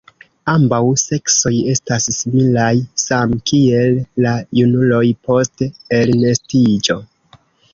Ambaŭ seksoj estas similaj, same kiel la junuloj post elnestiĝo.